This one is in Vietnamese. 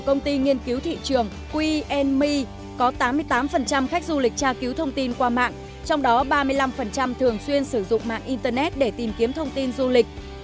công ty nghiên cứu thị trường q me có tám mươi tám khách du lịch tra cứu thông tin qua mạng trong đó ba mươi năm thường xuyên sử dụng mạng internet để tìm kiếm thông tin du lịch